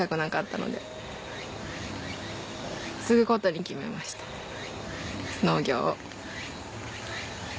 継ぐことに決めました農業を。